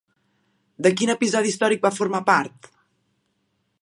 De quin episodi històric va formar part?